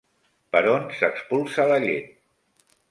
Per on s'expulsa la llet?